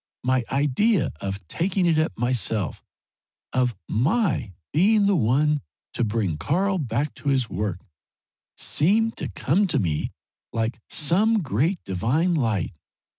My idea of taking it up myself, of my being the one to bring Karl back to his work, seemed to come to me like some great divine light.